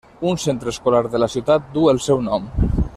Un centre escolar de la ciutat du el seu nom.